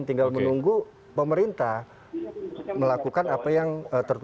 tinggal menunggu pemerintah melakukan apa yang terjadi